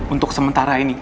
untuk sementara ini